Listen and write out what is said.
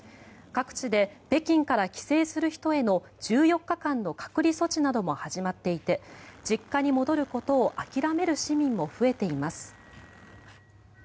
各地で北京から帰省する人への１４日間の隔離措置なども始まっていて実家に戻ることを諦める市民も増えています。